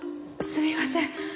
すみません。